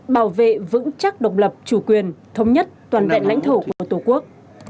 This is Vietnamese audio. bảo vệ vững chắc độc lập chủ quyền thống nhất toàn vẹn lãnh thổ của tổ quốc